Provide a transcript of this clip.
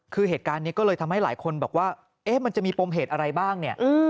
คือเหตุการณ์นี้ก็เลยทำให้หลายคนบอกว่ามันจะมีปมเหตุอะไรบ้างเนี่ย